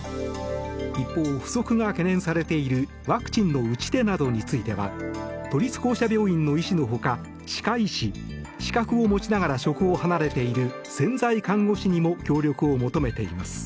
一方、不足が懸念されているワクチンの打ち手などについては都立公社病院の医師のほか歯科医師資格を持ちながら職を離れている潜在看護師にも協力を求めています。